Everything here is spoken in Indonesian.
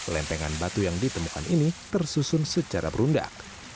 lempengan batu yang ditemukan ini tersusun secara berundak